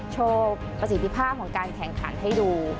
โชว์ประสิทธิภาพของการแข่งขันให้ดู